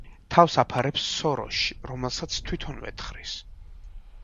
თავს აფარებს სოროში, რომელსაც თვითონვე თხრის.